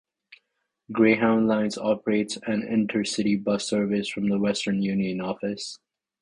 Greyhound Lines operates an intercity bus service from the Western Union office.